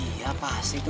iya pasti tuh